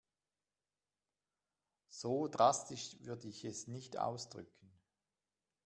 So drastisch würde ich es nicht ausdrücken.